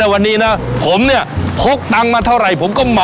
มานี่นะผมเนี่ยพกตังมาเท่าไหร่ผมก็เหมาหมดเลย